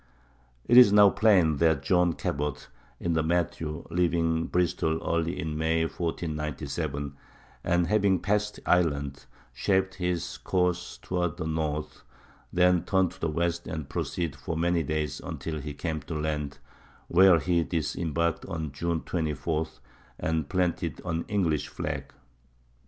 It is now plain that John Cabot, in the Matthew, leaving Bristol early in May, 1497, and having passed Ireland, shaped his course toward the north, then turned to the west and proceeded for many days until he came to land, where he disembarked on June 24, and planted an English flag.